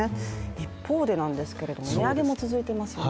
一方で値上げも続いていますよね。